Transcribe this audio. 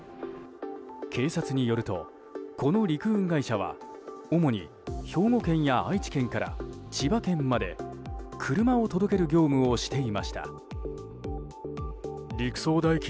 警察によると、この陸運会社は主に兵庫県や愛知県から千葉県まで車を届ける業務をしていました。